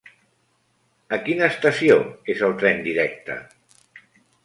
A quina estació és el tren directe?